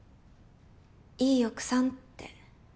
いい奥さんって。